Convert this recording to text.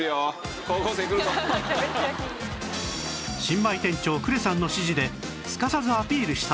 新米店長呉さんの指示ですかさずアピールしたのは